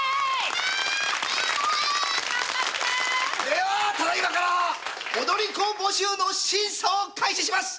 ではただ今から踊り子募集の審査を開始します。